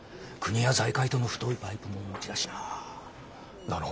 国や財界との太いパイプもお持ちだしな。